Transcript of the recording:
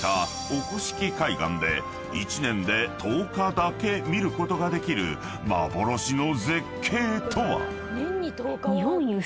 海岸で一年で１０日だけ見ることができる幻の絶景とは？］